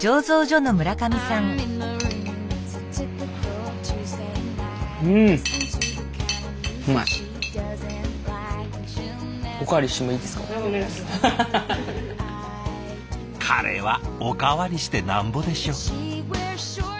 カレーはおかわりしてなんぼでしょ。